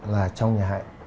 là trong nhà hạnh